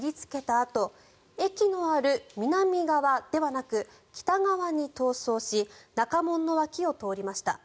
あと駅のある南側ではなく北側に逃走し中門の脇を通りました。